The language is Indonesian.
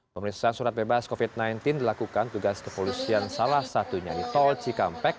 pemeriksaan surat bebas covid sembilan belas dilakukan tugas kepolisian salah satunya di tol cikampek